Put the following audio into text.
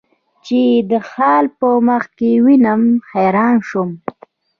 چې یې خال په مخ کې وینم، حیران شوم.